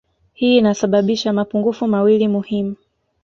Hii inasababisha mapungufu mawili muhimu